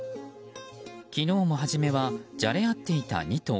昨日も、はじめはじゃれ合っていた２頭。